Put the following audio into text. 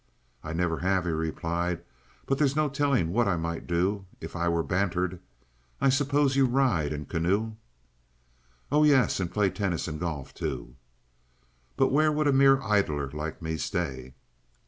"I never have," he replied; "but there's no telling what I might do if I were bantered. I suppose you ride and canoe?" "Oh yes; and play tennis and golf, too." "But where would a mere idler like me stay?"